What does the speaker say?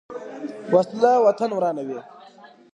وسله وطن ورانوي